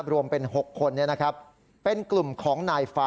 รวมเป็น๖คนเนี่ยนะครับเป็นกลุ่มของ๙๕